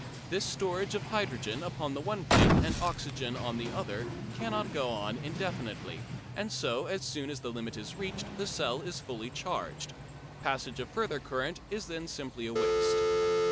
This storage of hydrogen upon the one plate and oxygen on the other cannot go on indefinitely, and so as soon as the limit is reached the cell is fully charged. Passage of further current is then simply waste.